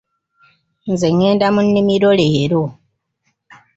Nze ngenda mu nnimiro leero.